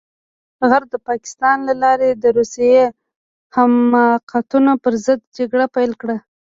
غرب د پاکستان له لارې د روسي حماقتونو پرضد جګړه پيل کړه.